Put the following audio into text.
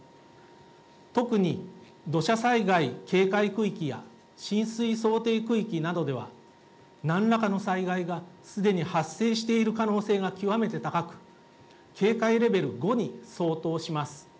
特に土砂災害警戒区域や浸水想定区域などでは、なんらかの災害がすでに発生している可能性が極めて高く、警戒レベル５に相当します。